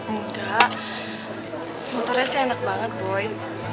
enggak motornya sih enak banget boy